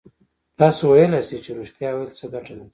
تاسو ویلای شئ چې رښتيا ويل څه گټه لري؟